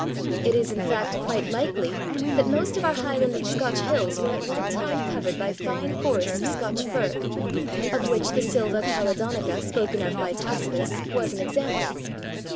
It is in fact quite likely that most of our Highland and Scotch hills were at one time covered by fine forests of Scotch Fir, of which the Silva Caledonica spoken of by Tacitus was an example.